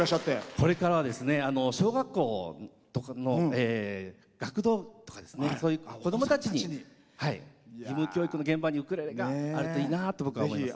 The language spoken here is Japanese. これからは小学校とかの学童、そういう子どもたちに義務教育の現場にウクレレがあるといいなと思います。